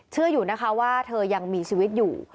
เชื่ออยู่นะคะว่าเธอยังมีชีวิตอยู่